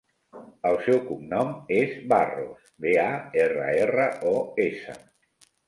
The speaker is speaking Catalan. El seu cognom és Barros: be, a, erra, erra, o, essa.